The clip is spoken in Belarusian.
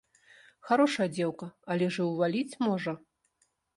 Харошая дзеўка, але ж і ўваліць можа!